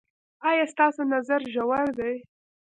ایا ستاسو نظر ژور دی؟